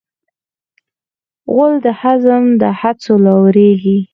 غول د هضم له هڅو راولاړیږي.